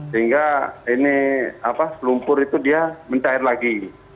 sehingga ini lumpur itu dia mentah air lagi